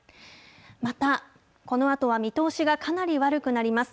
また、このあとは見通しがかなり悪くなります。